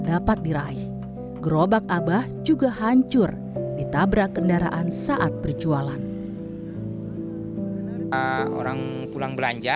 dapat diraih gerobak abah juga hancur ditabrak kendaraan saat perjualan orang pulang belanja